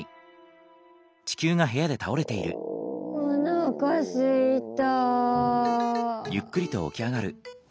おなかすいた！